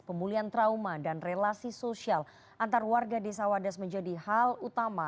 pemulihan trauma dan relasi sosial antar warga desa wadas menjadi hal utama